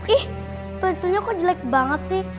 ih pensilnya kok jelek banget sih